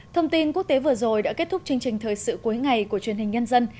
thông tin quốc tế vừa rồi đã kết thúc chương trình thời sự cuối ngày của truyền hình nhân dân